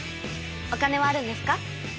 お金はあるんですか？